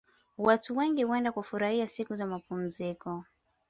Watu wengi huenda kufurahia siku za mapumziko